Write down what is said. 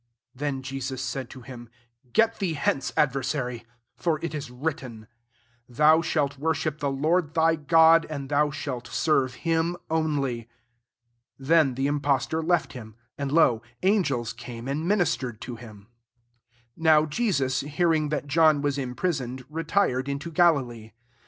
10 Then said Jesus to him, «* Get thee hence, adver sary : for it is written, • Thou shalt worship the Lord thy God, and thou shalt serve him only.' " 11 Then the impostor left him : and, lo, angels came and minis tered to him. 1 2 NOW [Jesua'] hearing that John waa imprisoned, retired into Galilee.